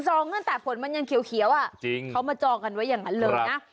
ตั้งแต่ฝนมันยังเขียวอ่ะจริงเขามาจองกันไว้อย่างนั้นเลยนะ